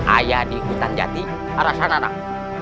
ayah di hutan jati arah sana